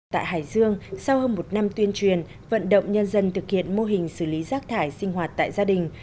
tại hải dương sau hơn một năm tuyên truyền vận động nhân dân thực hiện mô hình xử lý rác thải sinh hoạt tại gia đình